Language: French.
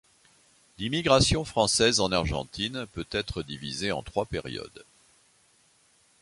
L'immigration française en Argentine peut être divisée en trois périodes.